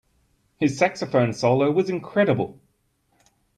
His saxophone solo was incredible.